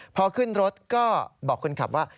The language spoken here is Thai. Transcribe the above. พอขึ้นรถก็บอกคุณทรัพย์ว่า